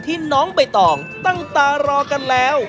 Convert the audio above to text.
ที่น้องไปต่องตั้งตารอกันแล้ว